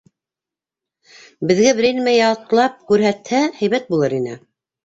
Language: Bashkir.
—Беҙгә берәй нәмә ятлап күрһәтһә, һәйбәт булыр ине.